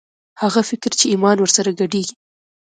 هغه فکر چې ایمان ور سره ګډېږي